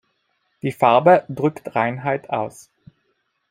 Die Farbe drückt Reinheit aus.